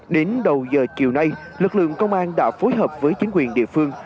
đến đầu giờ chiều nay lực lượng công an đã phối hợp với chính quyền địa phương